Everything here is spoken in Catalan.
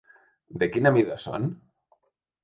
De quina mida son?